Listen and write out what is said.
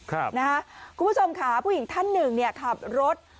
คุณผู้ชมค่ะผู้หญิงท่านหนึ่งเนี่ยขับรถ